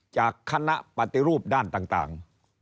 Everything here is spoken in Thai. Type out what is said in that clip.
จากคณะปฏิรูปด้านต่าง